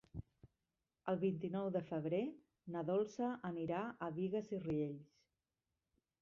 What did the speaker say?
El vint-i-nou de febrer na Dolça anirà a Bigues i Riells.